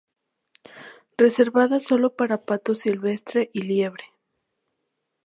Reservada solo para pato silvestre y liebre.